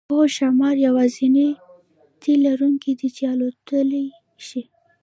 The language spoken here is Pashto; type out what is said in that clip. هو ښامار یوازینی تی لرونکی دی چې الوتلی شي